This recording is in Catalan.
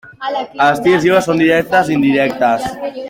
Els tirs lliures són directes i indirectes.